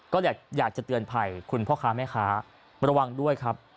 ก็อยากจะเตือนภัยคุณพ่อค้าแม่ค้าระวังด้วยครับ